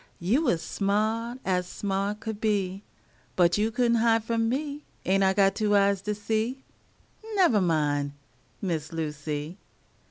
You was sma't ez sma't could be, But you could n't hide from me. Ain't I got two eyes to see? Nevah min', Miss Lucy.